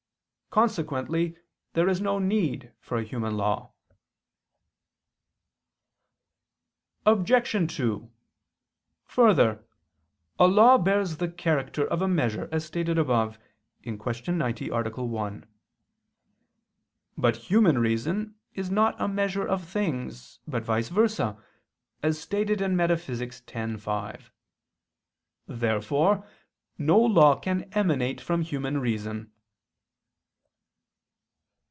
Consequently there is no need for a human law. Obj. 2: Further, a law bears the character of a measure, as stated above (Q. 90, A. 1). But human reason is not a measure of things, but vice versa, as stated in Metaph. x, text. 5. Therefore no law can emanate from human reason.